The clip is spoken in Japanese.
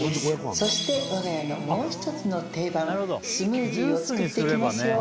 そして我が家のもう１つの定番スムージーを作っていきますよ。